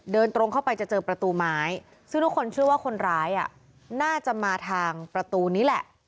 เดินตรงเข้าไปจะเจอประตูไม้ซึ่งทุกคนเชื่อว่าคนร้ายน่าจะมาทางประตูนี้แหละ